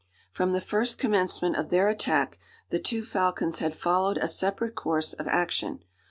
From the first commencement of their attack, the two falcons had followed a separate course of action.